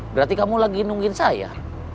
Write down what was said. berarti kamu lagi nungguin saya